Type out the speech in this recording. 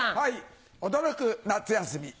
驚く夏休み。